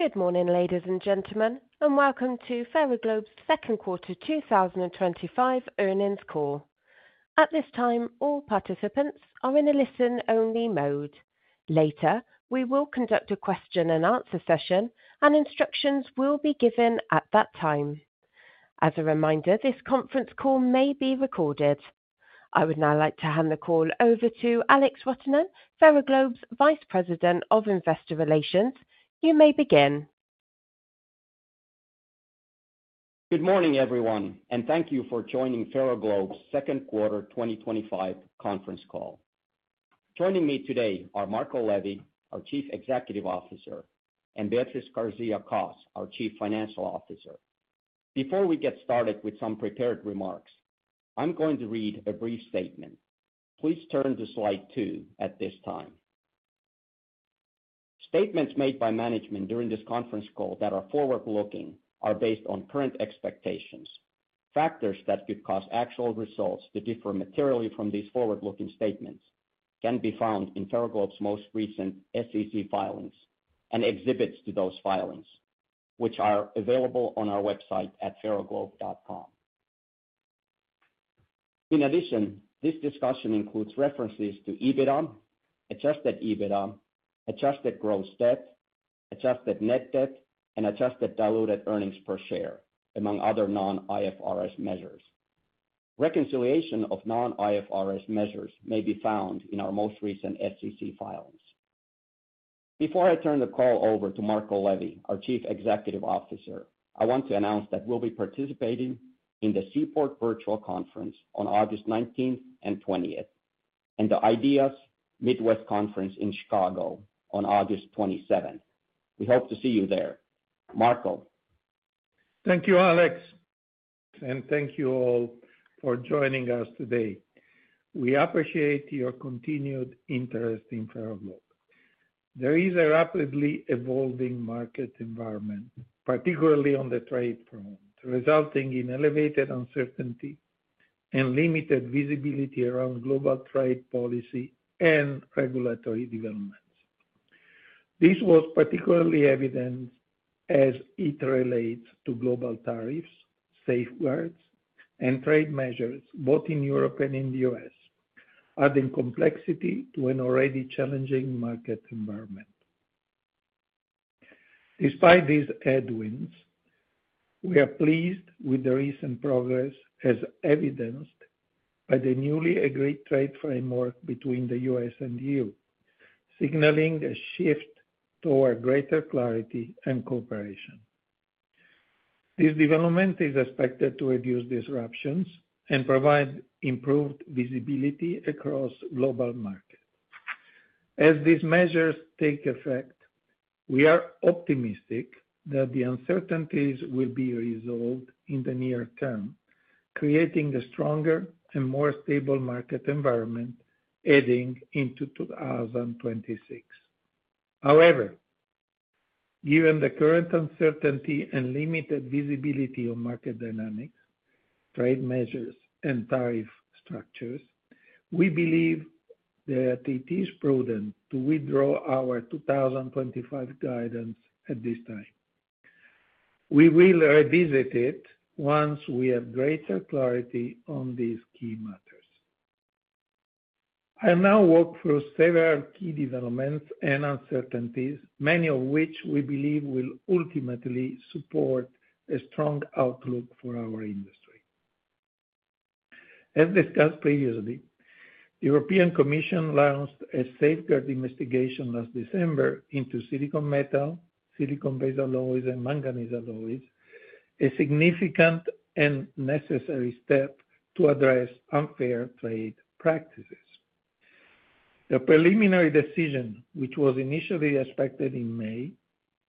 Good morning, ladies and gentlemen, and welcome to Ferroglobe's Second Quarter 2025 Earnings Call. At this time, all participants are in a listen-only mode. Later, we will conduct a question-and-answer session, and instructions will be given at that time. As a reminder, this conference call may be recorded. I would now like to hand the call over to Alex Rotonen, Ferroglobe's Vice President of Investor Relations. You may begin. Good morning, everyone, and thank you for joining Ferroglobe's Second Quarter 2025 Conference Call. Joining me today are Marco Levi, our Chief Executive Officer, and Beatriz García-Cos, our Chief Financial Officer. Before we get started with some prepared remarks, I'm going to read a brief statement. Please turn to slide two at this time. Statements made by management during this conference call that are forward-looking are based on current expectations. Factors that could cause actual results to differ materially from these forward-looking statements can be found in Ferroglobe's most recent SEC filings and exhibits to those filings, which are available on our website at ferroglobe.com. In addition, this discussion includes references to EBITDA, adjusted EBITDA, adjusted gross debt, adjusted net debt, and adjusted diluted earnings per share, among other non-IFRS measures. Reconciliation of non-IFRS measures may be found in our most recent SEC filings. Before I turn the call over to Marco Levi, our Chief Executive Officer, I want to announce that we'll be participating in the Seaport Virtual Conference on August 19th and 20th, and the IDEAS Midwest Conference in Chicago on August 27th. We hope to see you there. Marco? Thank you, Alex, and thank you all for joining us today. We appreciate your continued interest in Ferroglobe. There is a rapidly evolving market environment, particularly on the trade front, resulting in elevated uncertainty and limited visibility around global trade policy and regulatory developments. This was particularly evident as it relates to global tariffs, safeguards, and trade measures both in Europe and in the U.S., adding complexity to an already challenging market environment. Despite these headwinds, we are pleased with the recent progress, as evidenced by the newly agreed trade framework between the U.S. and the EU, signaling a shift toward greater clarity and cooperation. This development is expected to reduce disruptions and provide improved visibility across global markets. As these measures take effect, we are optimistic that the uncertainties will be resolved in the near term, creating a stronger and more stable market environment heading into 2026. However, given the current uncertainty and limited visibility on market dynamics, trade measures, and tariff structures, we believe that it is prudent to withdraw our 2025 guidance at this time. We will revisit it once we have greater clarity on these key matters. I'll now walk through several key developments and uncertainties, many of which we believe will ultimately support a strong outlook for our industry. As discussed previously, the European Commission launched a safeguard investigation last December into silicon metal, silicon-based alloys, and manganese alloys, a significant and necessary step to address unfair trade practices. The preliminary decision, which was initially expected in May,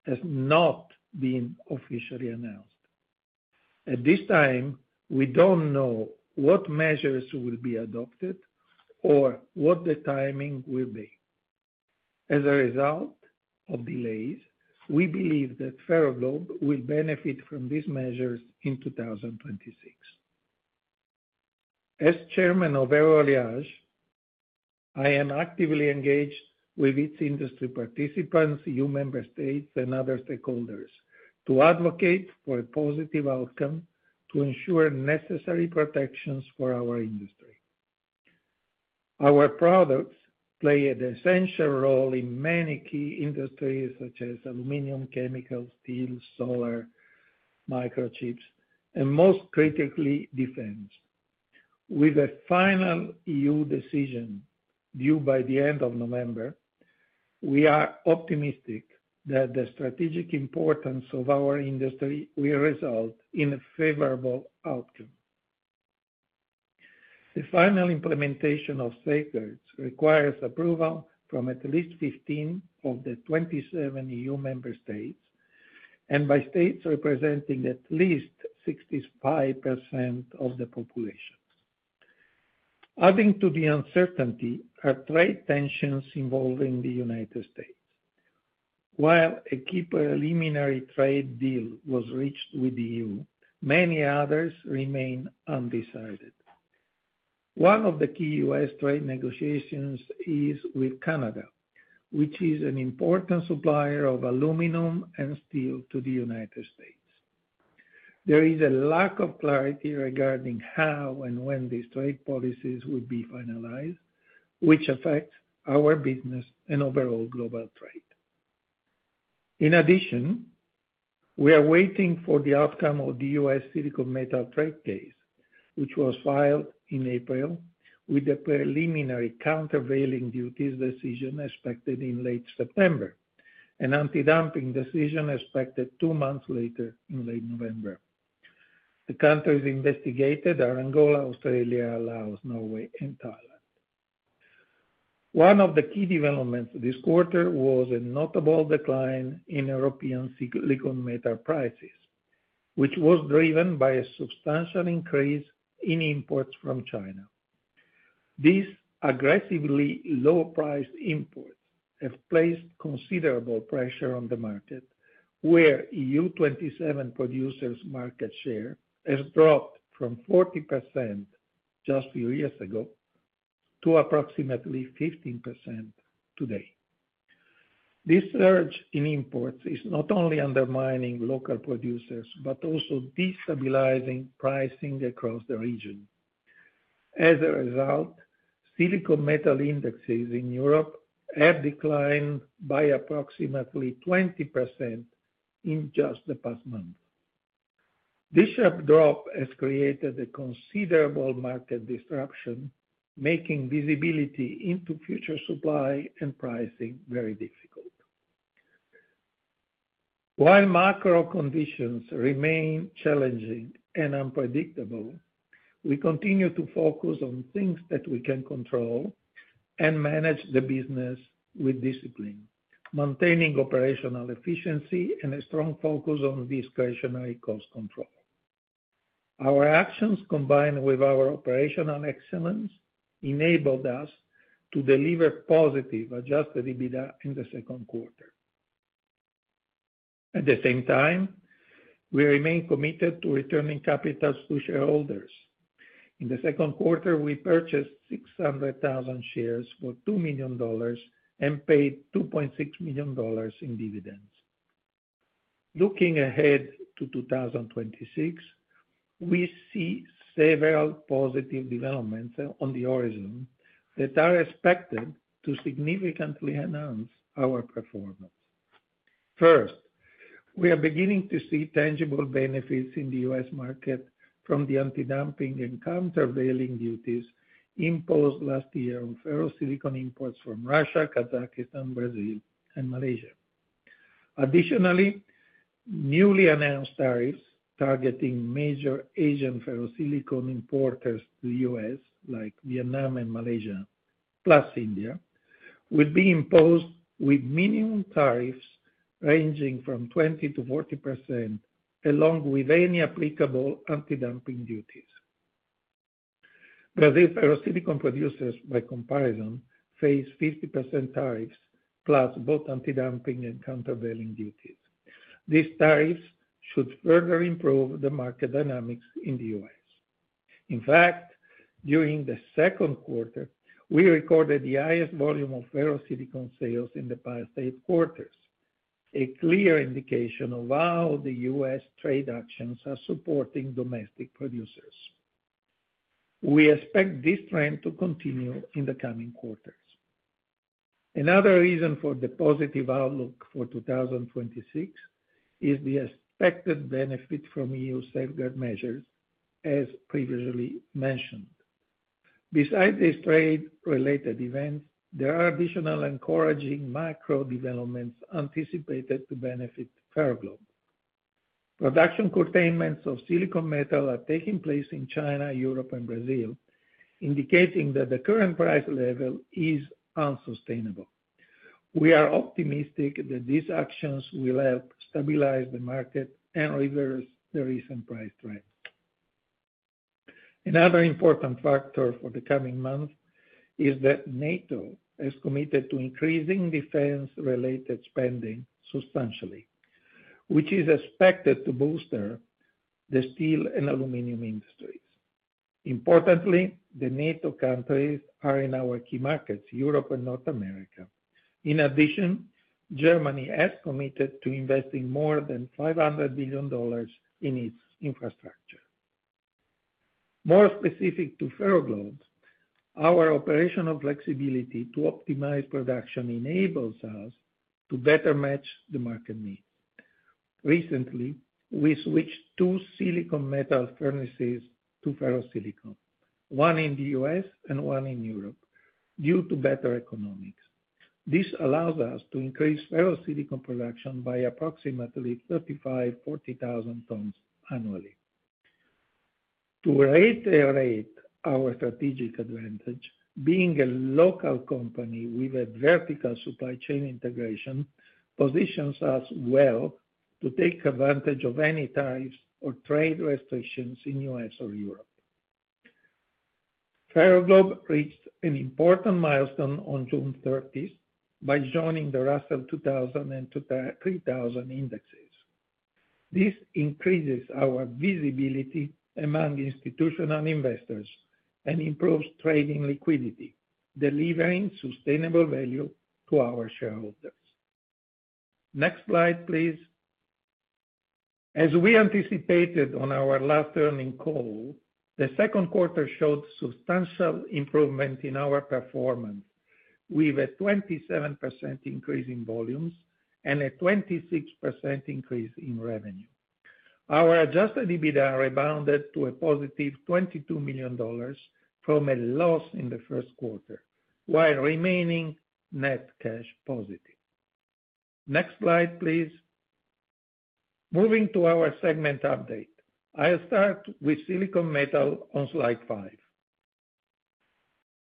has not been officially announced. At this time, we don't know what measures will be adopted or what the timing will be. As a result of delays, we believe that Ferroglobe will benefit from these measures in 2026. As Chairman of Euroalliages, I am actively engaged with its industry participants, EU member states, and other stakeholders to advocate for a positive outcome to ensure necessary protections for our industry. Our products play an essential role in many key industries such as aluminum, chemicals, steel, solar, microchips, and most critically, defense. With a final EU decision due by the end of November, we are optimistic that the strategic importance of our industry will result in a favorable outcome. The final implementation of safeguards requires approval from at least 15 of the 27 EU member states and by states representing at least 65% of the population. Adding to the uncertainty are trade tensions involving the United States. While a key preliminary trade deal was reached with the EU, many others remain undecided. One of the key U.S. trade negotiations is with Canada, which is an important supplier of aluminum and steel to the United States. There is a lack of clarity regarding how and when these trade policies will be finalized, which affects our business and overall global trade. In addition, we are waiting for the outcome of the U.S. Silicon Metal Trade Case, which was filed in April, with the preliminary countervailing duties decision expected in late September, and anti-dumping decision expected two months later in late November. The countries investigated are Angola, Australia, Laos, Norway, and Thailand. One of the key developments this quarter was a notable decline in European silicon metal prices, which was driven by a substantial increase in imports from China. These aggressively low-priced imports have placed considerable pressure on the market, where EU 27 producers' market share has dropped from 40% just a few years ago to approximately 15% today. This surge in imports is not only undermining local producers but also destabilizing pricing across the region. As a result, silicon metal indexes in Europe have declined by approximately 20% in just the past month. This sharp drop has created a considerable market disruption, making visibility into future supply and pricing very difficult. While macro conditions remain challenging and unpredictable, we continue to focus on things that we can control and manage the business with discipline, maintaining operational efficiency and a strong focus on discretionary cost control. Our actions, combined with our operational excellence, enabled us to deliver positive adjusted EBITDA in the second quarter. At the same time, we remain committed to returning capital to shareholders. In the second quarter, we purchased 600,000 shares for $2 million and paid $2.6 million in dividends. Looking ahead to 2026, we see several positive developments on the horizon that are expected to significantly enhance our performance. First, we are beginning to see tangible benefits in the U.S. market from the anti-dumping and countervailing duties imposed last year on ferrosilicon imports from Russia, Kazakhstan, Brazil, and Malaysia. Additionally, newly announced tariffs targeting major Asian ferrosilicon importers to the U.S., like Vietnam and Malaysia, plus India, would be imposed with minimum tariffs ranging from 20%-40%, along with any applicable anti-dumping duties. Brazil ferrosilicon producers, by comparison, face 50% tariffs plus both anti-dumping and countervailing duties. These tariffs should further improve the market dynamics in the U.S. In fact, during the second quarter, we recorded the highest volume of ferrosilicon sales in the past eight quarters, a clear indication of how the U.S. trade actions are supporting domestic producers. We expect this trend to continue in the coming quarters. Another reason for the positive outlook for 2026 is the expected benefit from EU safeguard measures, as previously mentioned. Besides this trade-related event, there are additional encouraging macro developments anticipated to benefit Ferroglobe. Production containments of silicon metal are taking place in China, Europe, and Brazil, indicating that the current price level is unsustainable. We are optimistic that these actions will help stabilize the market and reverse the recent price trend. Another important factor for the coming month is that NATO has committed to increasing defense-related spending substantially, which is expected to boost the steel and aluminum industries. Importantly, the NATO countries are in our key markets, Europe and North America. In addition, Germany has committed to investing more than $500 billion in its infrastructure. More specific to Ferroglobe, our operational flexibility to optimize production enables us to better match the market need. Recently, we switched two silicon metal furnaces to ferrosilicon, one in the U.S. and one in Europe, due to better economics. This allows us to increase ferrosilicon production by approximately 35,000 tons-40,000 tons annually. To reiterate our strategic advantage, being a local company with a vertical supply chain integration positions us well to take advantage of any tariffs or trade restrictions in the U.S. or Europe. Ferroglobe reached an important milestone on June 30 by joining the Russell 2000 and 3000 indexes. This increases our visibility among institutional investors and improves trading liquidity, delivering sustainable value to our shareholders. Next slide, please. As we anticipated on our last earnings call, the second quarter showed substantial improvement in our performance, with a 27% increase in volumes and a 26% increase in revenue. Our adjusted EBITDA rebounded to a positive $22 million from a loss in the first quarter, while remaining net cash positive. Next slide, please. Moving to our segment update, I'll start with silicon metal on slide five.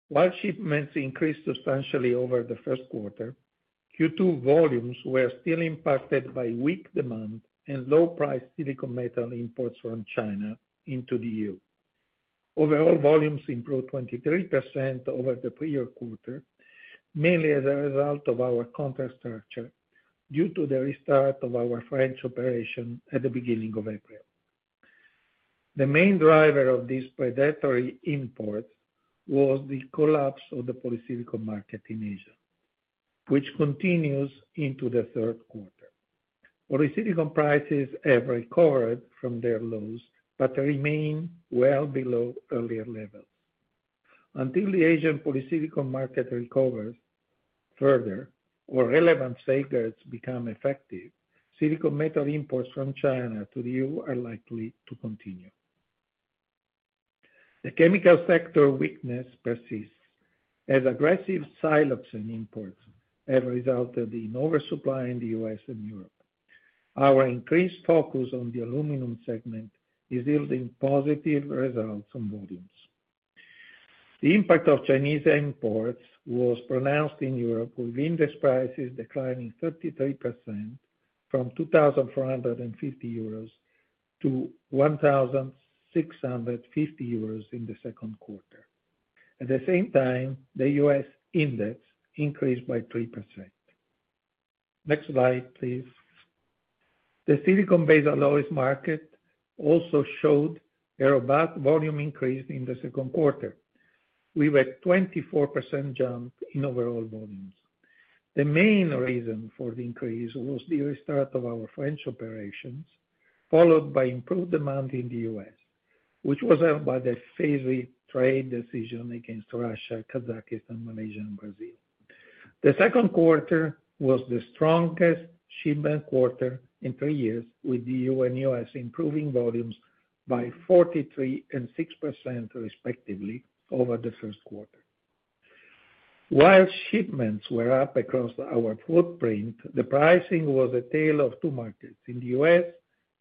While shipments increased substantially over the first quarter, Q2 volumes were still impacted by weak demand and low-priced silicon metal imports from China into the EU. Overall volumes improved 23% over the previous quarter, mainly as a result of our contract structure due to the restart of our French operation at the beginning of April. The main driver of these predatory imports was the collapse of the polysilicon market in Asia, which continues into the third quarter. Polysilicon prices have recovered from their lows, but remain well below earlier levels. Until the Asian polysilicon market recovers further or relevant safeguards become effective, silicon metal imports from China to the EU are likely to continue. The chemical sector weakness persists, as aggressive silicon metal imports have resulted in oversupply in the U.S. and Europe. Our increased focus on the aluminum segment is yielding positive results on volumes. The impact of Chinese imports was pronounced in Europe, with index prices declining 33% from 2,450-1,650 euros in the second quarter. At the same time, the U.S. index increased by 3%. Next slide, please. The silicon-based alloys market also showed a robust volume increase in the second quarter, with a 24% jump in overall volumes. The main reason for the increase was the restart of our French operations, followed by improved demand in the U.S., which was helped by the favored trade decision against Russia, Kazakhstan, Malaysia, and Brazil. The second quarter was the strongest shipment quarter in three years, with the EU and U.S. improving volumes by 43% and 6% respectively over the first quarter. While shipments were up across our footprint, the pricing was a tale of two markets. In the U.S.,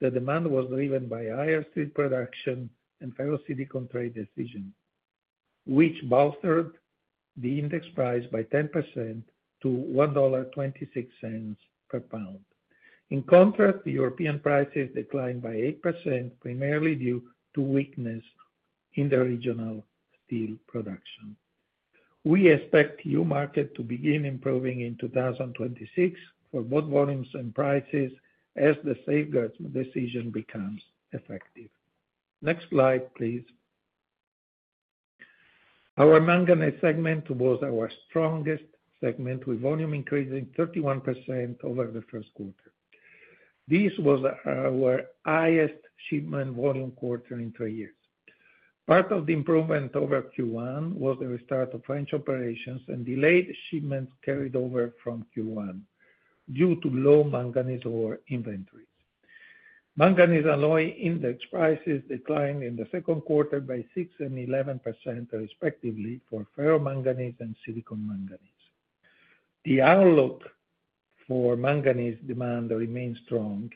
the demand was driven by higher steel production and ferrosilicon trade decisions, which bolstered the index price by 10% to $1.26 per pound. In contrast, the European prices declined by 8%, primarily due to weakness in the regional steel production. We expect the EU market to begin improving in 2026 for both volumes and prices as the safeguards decision becomes effective. Next slide, please. Our manganese segment was our strongest segment, with volume increasing 31% over the first quarter. This was our highest shipment volume quarter in three years. Part of the improvement over Q1 was the restart of French operations and delayed shipments carried over from Q1 due to low manganese ore inventories. Manganese alloy index prices declined in the second quarter by 6% and 11% respectively for ferromanganese and silicomanganese. The outlook for manganese demand remains strong,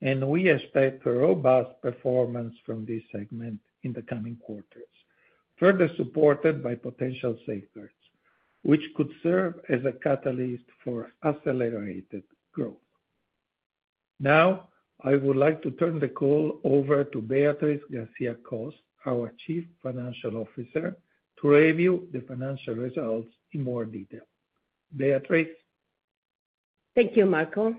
and we expect robust performance from this segment in the coming quarters, further supported by potential safeguards, which could serve as a catalyst for accelerated growth. Now, I would like to turn the call over to Beatriz García-Cos, our Chief Financial Officer, to review the financial results in more detail. Beatriz? Thank you, Marco.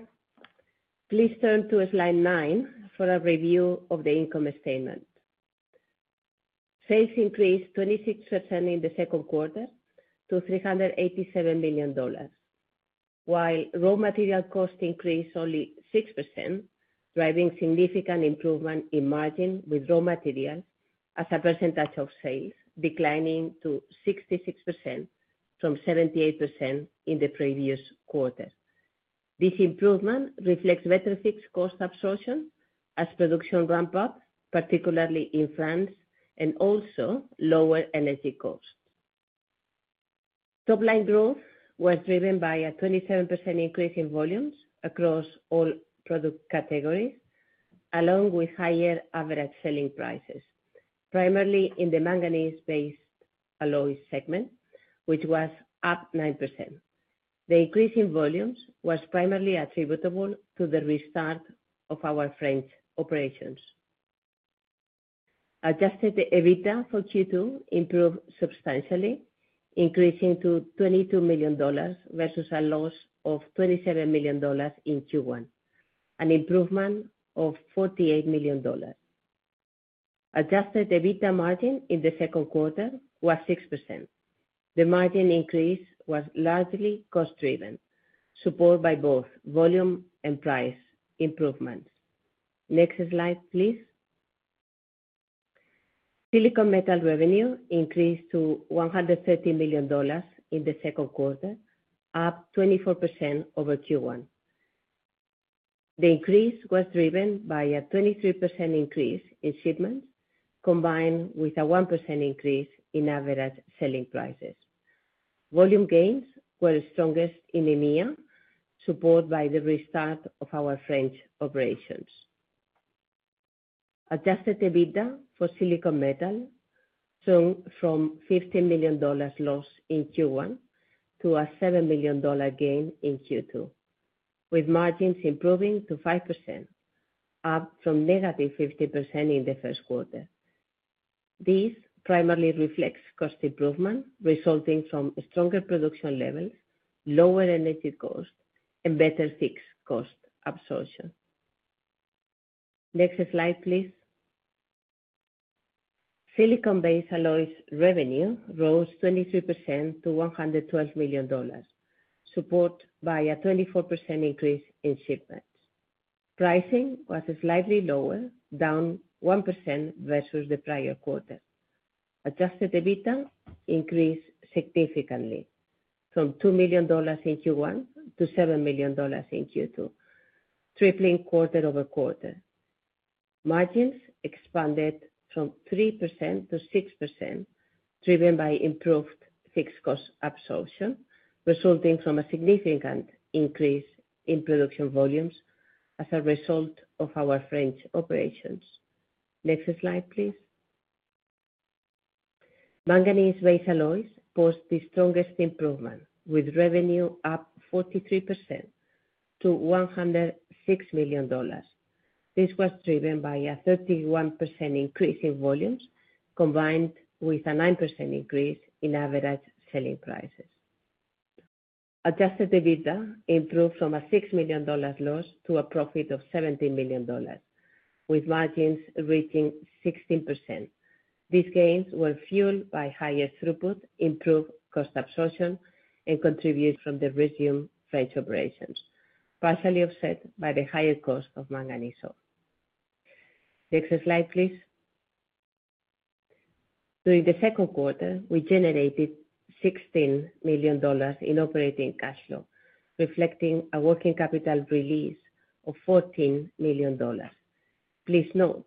Please turn to slide nine for a review of the income statement. Sales increased 26% in the second quarter to $387 million, while raw material cost increased only 6%, driving significant improvement in margin with raw material as a percentage of sales declining to 66% from 78% in the previous quarter. This improvement reflects better fixed cost absorption as production ramped up, particularly in France, and also lower energy costs. Top line growth was driven by a 27% increase in volumes across all product categories, along with higher average selling prices, primarily in the manganese-based alloys segment, which was up 9%. The increase in volumes was primarily attributable to the restart of our French operations. Adjusted EBITDA for Q2 improved substantially, increasing to $22 million versus a loss of $27 million in Q1, an improvement of $48 million. Adjusted EBITDA margin in the second quarter was 6%. The margin increase was largely cost-driven, supported by both volume and price improvement. Next slide, please. Silicon metal revenue increased to $130 million in the second quarter, up 24% over Q1. The increase was driven by a 23% increase in shipments, combined with a 1% increase in average selling prices. Volume gains were strongest in EMEA, supported by the restart of our French operations. Adjusted EBITDA for silicon metal shrunk from $15 million loss in Q1 to a $7 million gain in Q2, with margins improving to 5%, up from negative 15% in the first quarter. This primarily reflects cost improvement resulting from stronger production levels, lower energy cost, and better fixed cost absorption. Next slide, please. Silicon-based alloys revenue rose 23% to $112 million, supported by a 24% increase in shipments. Pricing was slightly lower, down 1% versus the prior quarter. Adjusted EBITDA increased significantly from $2 million in Q1 to $7 million in Q2, tripling quarter over quarter. Margins expanded from 3% to 6%, driven by improved fixed cost absorption, resulting from a significant increase in production volumes as a result of our French operations. Next slide, please. Manganese-based alloys post the strongest improvement, with revenue up 43% to $106 million. This was driven by a 31% increase in volumes, combined with a 9% increase in average selling prices. Adjusted EBITDA improved from a $6 million loss to a profit of $17 million, with margins reaching 16%. These gains were fueled by higher throughput, improved cost absorption, and contributions from the resumed French operations, partially offset by the higher cost of manganese ore. Next slide, please. During the second quarter, we generated $16 million in operating cash flow, reflecting a working capital release of $14 million. Please note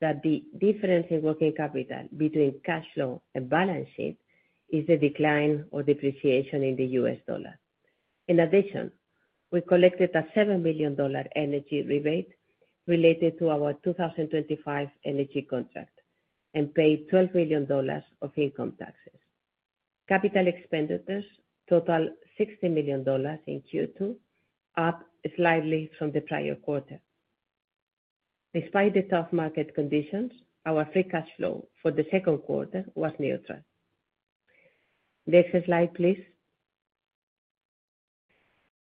that the difference in working capital between cash flow and balance sheet is the decline or depreciation in the U.S. dollar. In addition, we collected a $7 million energy rebate related to our 2025 energy contract and paid $12 million of income taxes. Capital expenditures totaled $60 million in Q2, up slightly from the prior quarter. Despite the tough market conditions, our free cash flow for the second quarter was neutral. Next slide, please.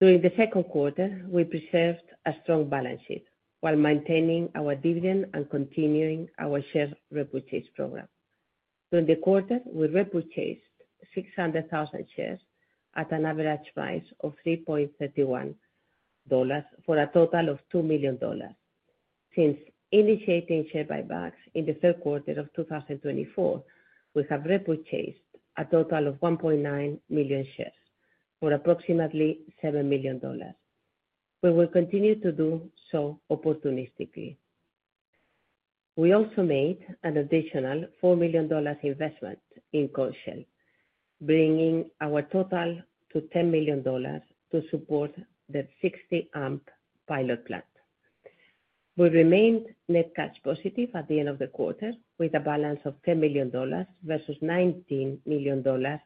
During the second quarter, we preserved a strong balance sheet while maintaining our dividend and continuing our share repurchase program. During the quarter, we repurchased 600,000 shares at an average price of $3.31 for a total of $2 million. Since initiating share buybacks in the third quarter of 2024, we have repurchased a total of 1.9 million shares for approximately $7 million. We will continue to do so opportunistically. We also made an additional $4 million investment in Coreshell, bringing our total to $10 million to support the 60-amp pilot plant. We remained net cash positive at the end of the quarter, with a balance of $10 million versus $19 million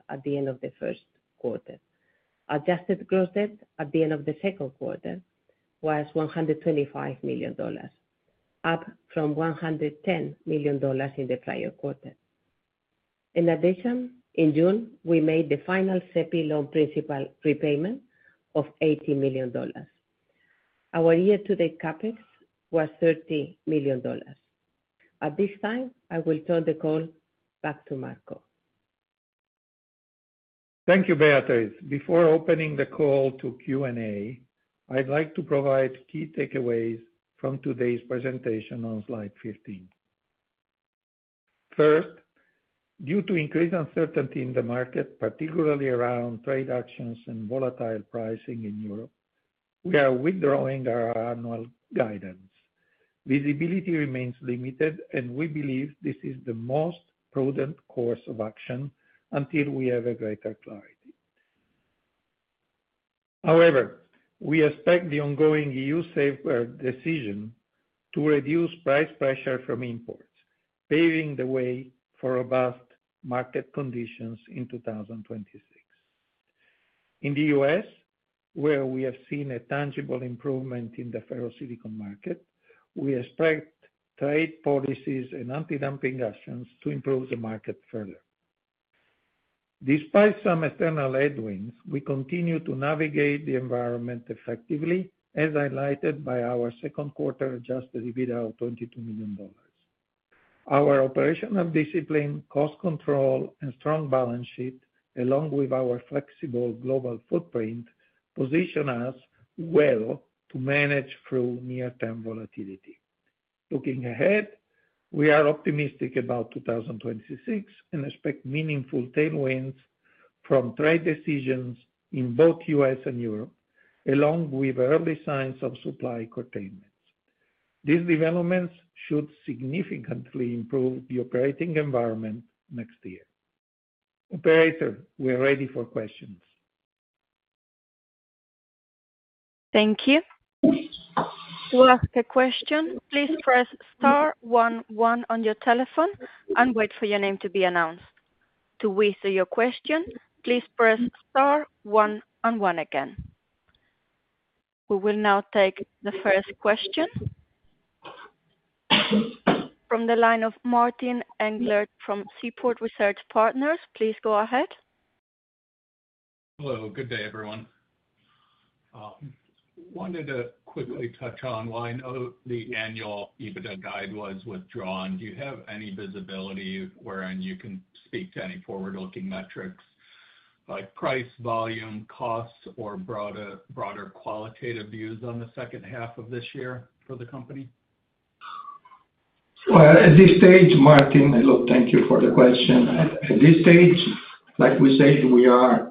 at the end of the first quarter. Adjusted gross debt at the end of the second quarter was $125 million, up from $110 million in the prior quarter. In addition, in June, we made the final SEPI loan principal repayment of $80 million. Our year-to-date CapEx was $30 million. At this time, I will turn the call back to Marco. Thank you, Beatriz. Before opening the call to Q&A, I'd like to provide key takeaways from today's presentation on slide 15. First, due to increased uncertainty in the market, particularly around trade actions and volatile pricing in Europe, we are withdrawing our annual guidance. Visibility remains limited, and we believe this is the most prudent course of action until we have greater clarity. However, we expect the ongoing EU safeguard decision to reduce price pressure from imports, paving the way for robust market conditions in 2026. In the U.S., where we have seen a tangible improvement in the ferrosilicon market, we expect trade policies and anti-dumping actions to improve the market further. Despite some external headwinds, we continue to navigate the environment effectively, as highlighted by our second quarter adjusted EBITDA of $22 million. Our operational discipline, cost control, and strong balance sheet, along with our flexible global footprint, position us well to manage through near-term volatility. Looking ahead, we are optimistic about 2026 and expect meaningful tailwinds from trade decisions in both U.S. and Europe, along with early signs of supply containment. These developments should significantly improve the operating environment next year. Operator, we're ready for questions. Thank you. We'll ask a question. Please press star one-one on your telephone and wait for your name to be announced. To withdraw your question, please press star one-one again. We will now take the first question. From the line of Martin Englert from Seaport Research Partners, please go ahead. Hello. Good day, everyone. Wanted to quickly touch on why note the annual EBITDA guide was withdrawn. Do you have any visibility wherein you can speak to any forward-looking metrics like price, volume, cost, or broader qualitative views on the second half of this year for the company? Sure. At this stage, Martin, thank you for the question. At this stage, like we said, we are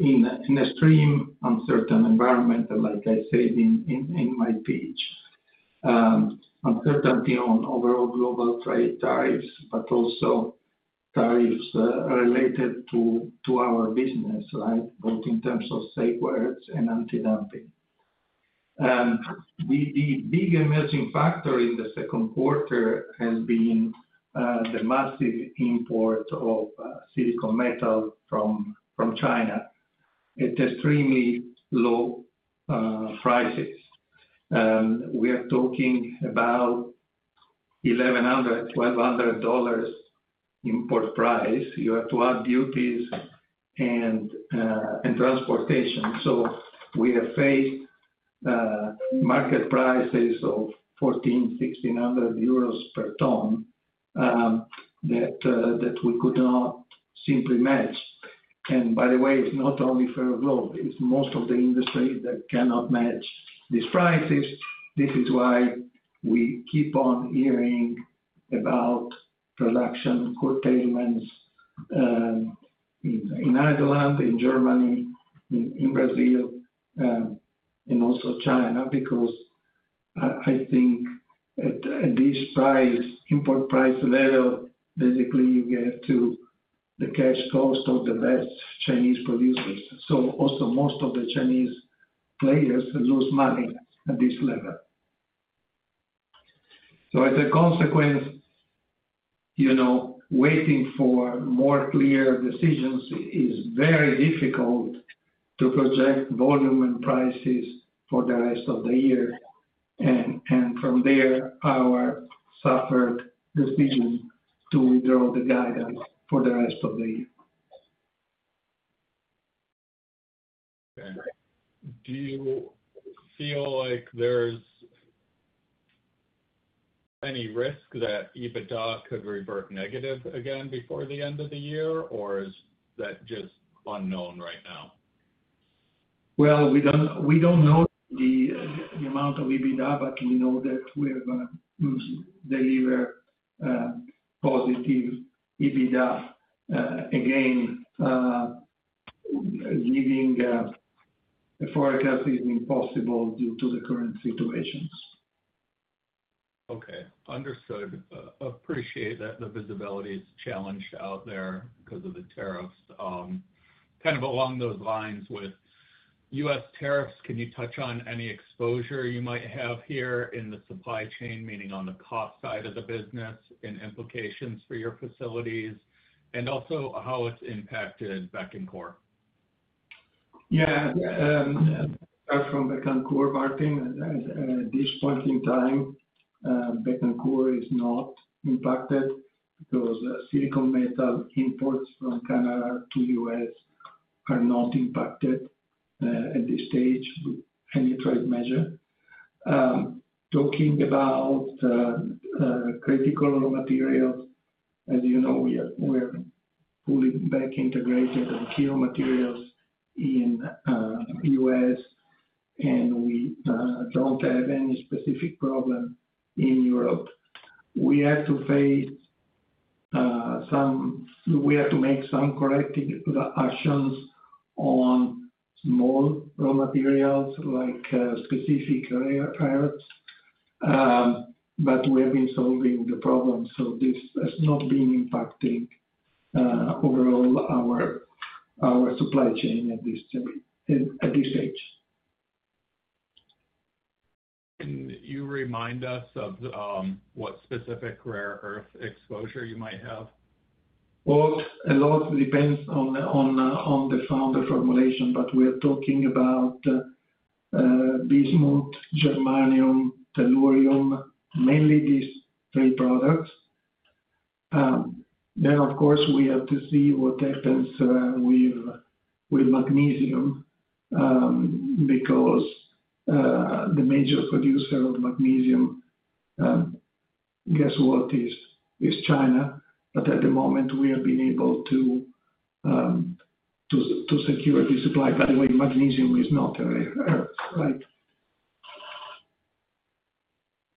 in an extremely uncertain environment, like I said in my speech. Uncertain beyond overall global trade tariffs, but also tariffs related to our business, both in terms of safeguards and anti-dumping. The big emerging factor in the second quarter has been the massive import of silicon metal from China at extremely low prices. We are talking about $1,100, $1,200 import price. You have to add duties and transportation. We have faced market prices of 1,400, 1,600 euros per ton that we could not simply match. By the way, it's not only Ferroglobe. It's most of the industry that cannot match these prices. This is why we keep on hearing about production containments in Ireland, in Germany, in Brazil, and also China, because I think at this price, import price level basically gets to the cash cost of the best Chinese producers. Also, most of the Chinese players lose money at this level. As a consequence, waiting for more clear decisions is very difficult to project volume and prices for the rest of the year. From there, our suffered decision to withdraw the guidance for the rest of the year. Do you feel like there's any risk that EBITDA could revert negative again before the end of the year, or is that just unknown right now? We don't know the amount of EBITDA, but we know that we are going to deliver positive EBITDA again. Giving forecasts is impossible due to the current situations. Okay. Understood. Appreciate that the visibility is challenged out there because of the tariffs. Kind of along those lines with U.S. tariffs, can you touch on any exposure you might have here in the supply chain, meaning on the cost side of the business and implications for your facilities, and also how it's impacted Becancour? Yeah. From Becancour, Martin, at this point in time, Becancour is not impacted because silicon metal imports from Canada to the U.S. are not impacted at this stage with any trade measure. Talking about critical raw materials, as you know, we're pulling back integrated and fuel materials in the U.S., and we don't have any specific problem in Europe. We have to make some corrective actions on more raw materials like specific rare earths, but we have been solving the problem. This has not been impacting overall our supply chain at this stage. Can you remind us of what specific rare earth exposure you might have? A lot depends on the founder's formulation, but we're talking about bismuth, germanium, tellurium, mainly these three products. Of course, we have to see what happens with magnesium because the major producer of magnesium, guess what, is China. At the moment, we have been able to secure this supply. By the way, magnesium is not ready.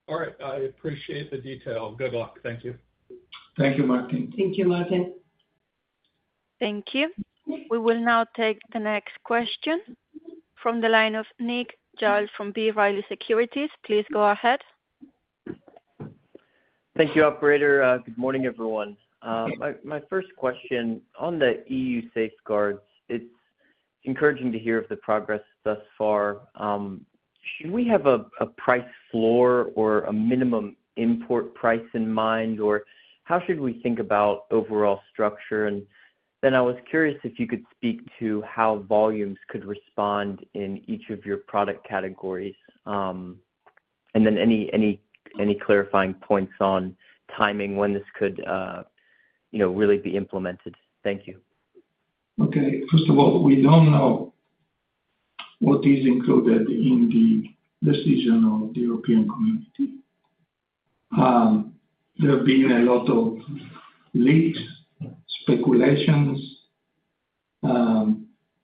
All right. I appreciate the detail. Good luck. Thank you. Thank you, Martin. Thank you, Martin. Thank you. We will now take the next question from the line of Nick Giles from B. Riley Securities. Please go ahead. Thank you, Operator. Good morning, everyone. My first question on the EU safeguards, it's encouraging to hear of the progress thus far. Should we have a price floor or a minimum import price in mind, or how should we think about overall structure? I was curious if you could speak to how volumes could respond in each of your product categories and any clarifying points on timing when this could really be implemented. Thank you. Okay. First of all, we don't know what is included in the decision of the European community. There have been a lot of speculations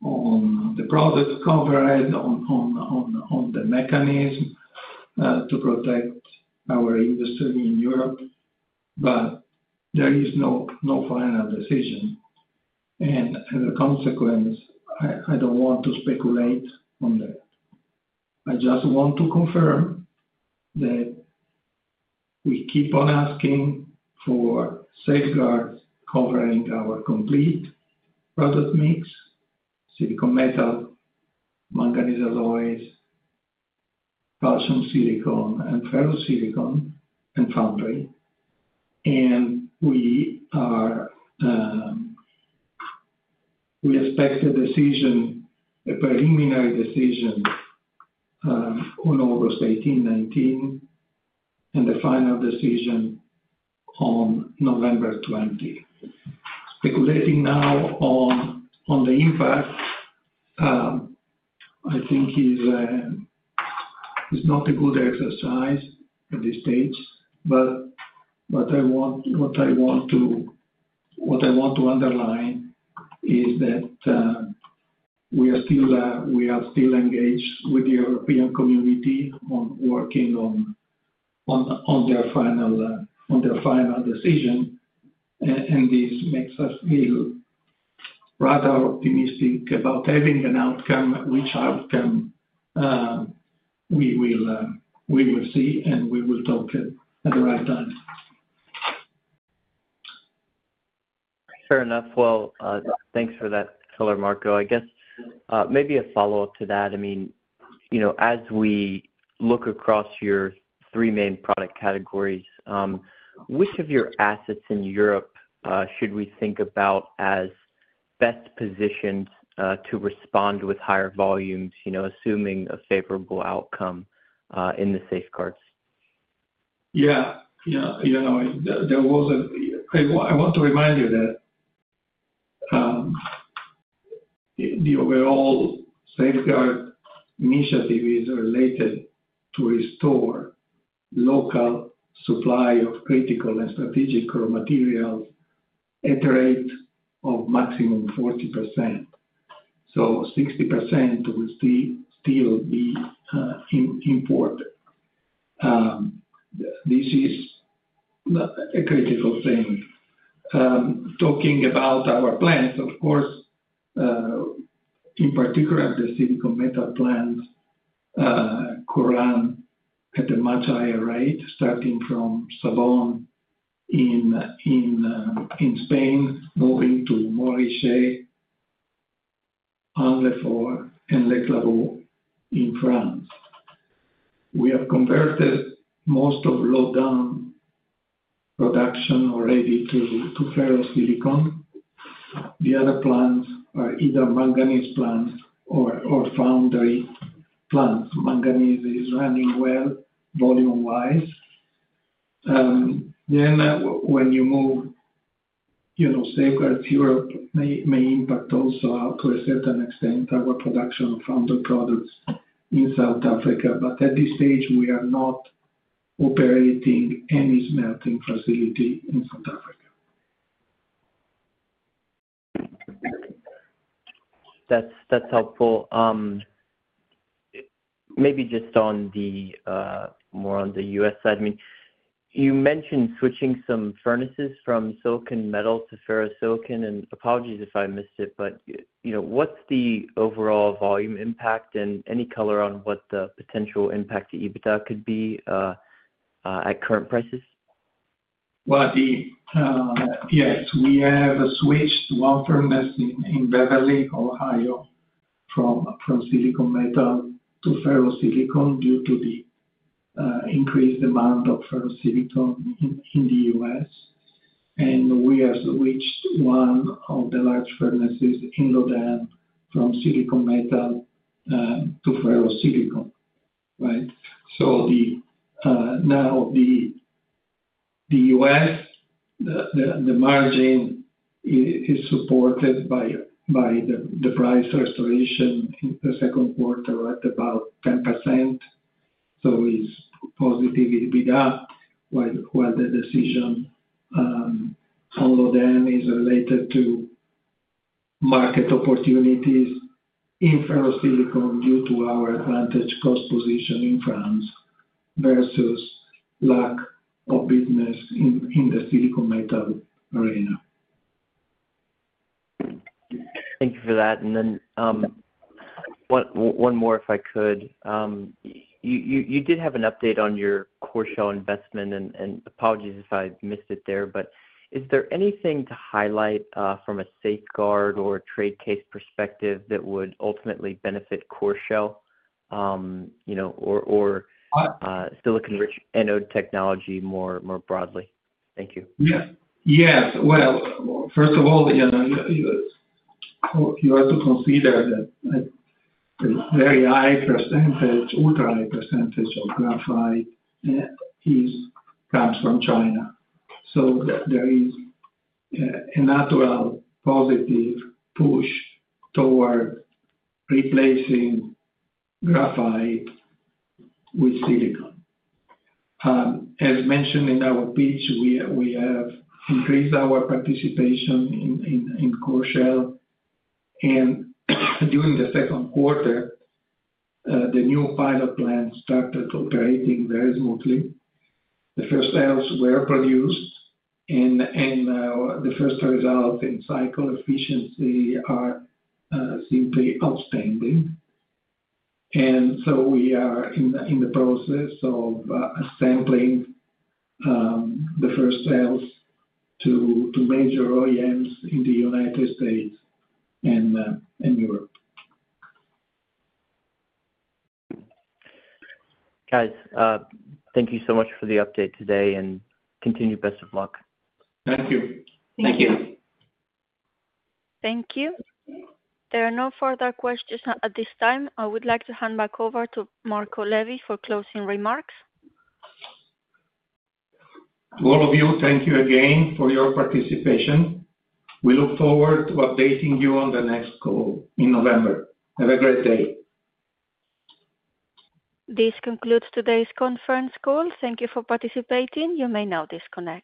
on the products covered, on the mechanism to protect our industry in Europe, but there is no final decision. As a consequence, I don't want to speculate on that. I just want to confirm that we keep on asking for safeguards covering our complete product mix: silicon metal, manganese alloys, calcium silicon, ferrosilicon, and foundry. We expect a preliminary decision on August 18, 19, and the final decision on November 20. Speculating now on the impact, I think, is not a good exercise at this stage. What I want to underline is that we are still engaged with the European community on working on their final decision. This makes us feel rather optimistic about having an outcome, which outcome we will see, and we will talk at the right time. Fair enough. Thanks for that, Marco. I guess maybe a follow-up to that. As we look across your three main product categories, which of your assets in Europe should we think about as best positioned to respond with higher volumes, assuming a favorable outcome in the safeguards? Yeah. You know, I want to remind you that the overall safeguard initiative is related to restore the local supply of critical and strategic raw materials at a rate of maximum 40%. So 60% will still be imported. This is a critical thing. Talking about our plants, of course, in particular, the silicon metal plants that run at a much higher rate, starting from Sabon in Spain, moving to Morichet, Anglefort, and Les Clavaux in France. We have converted most of Laudun production already to ferrosilicon. The other plants are either manganese plants or foundry plants. Manganese is running well volume-wise. When you move, you know, safeguards Europe may impact also to a certain extent our production of foundry products in South Africa. At this stage, we are not operating any smelting facility in South Africa. That's helpful. Maybe just more on the U.S. side. I mean, you mentioned switching some furnaces from silicon metal to ferrosilicon. Apologies if I missed it, but you know, what's the overall volume impact, and any color on what the potential impact to EBITDA could be at current prices? Yes, we have switched one furnace in Beverly, Ohio, from silicon metal to ferrosilicon due to the increased demand of ferrosilicon in the U.S. We have switched one of the large furnaces from Laudun from silicon metal to ferrosilicon. The U.S. margin is supported by the price restoration in the second quarter at about 10%. It is positive EBITDA while the decision on Laudun is related to market opportunities in ferrosilicon due to our advantage cost position in France versus lack of business in the silicon metal arena. Thank you for that. One more, if I could. You did have an update on your Coreshell investment, and apologies if I missed it there. Is there anything to highlight from a safeguard or trade case perspective that would ultimately benefit Coreshell or silicon-rich anode technology more broadly? Thank you. First of all, you also can see that a very high percentage, ultra-high percentage of graphite comes from China. There is a natural positive push toward replacing graphite with silicon. As mentioned in our pitch, we have increased our participation in Coreshell. During the second quarter, the new pilot plants started operating very smoothly. The first earths were produced, and the first results in cycle efficiency are simply outstanding. We are in the process of sampling the first earths to major OEMs in the United States and Europe. Guys, thank you so much for the update today, and continue best of luck. Thank you. Thank you. Thank you. There are no further questions at this time. I would like to hand back over to Marco Levi for closing remarks. All of you, thank you again for your participation. We look forward to updating you on the next call in November. Have a great day. This concludes today's conference call. Thank you for participating. You may now disconnect.